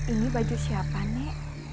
ini baju siapa nek